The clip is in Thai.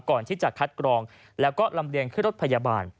ก่อนที่จะคัดกรองแล้วก็ลำเลียงขึ้นรถพยาบาล